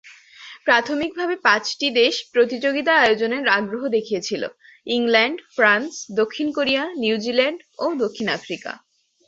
প্রাথমিকভাবে পাঁচটি দেশ প্রতিযোগিতা আয়োজনের আগ্রহ দেখিয়েছিল: ইংল্যান্ড, ফ্রান্স, দক্ষিণ কোরিয়া, নিউজিল্যান্ড ও দক্ষিণ আফ্রিকা।